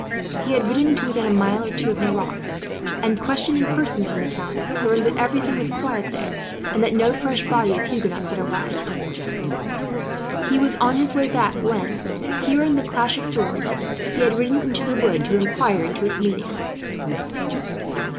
He had ridden to within a mile or two of Nerac and, questioning persons from the town, learned that everything was quiet there, and that no fresh body of Huguenots had arrived. He was on his way back when, hearing the clash of swords, he had ridden into the wood to inquire into its meaning.